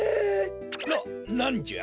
ななんじゃ？